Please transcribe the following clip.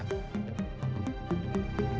dia sangat terobsesi sama elsa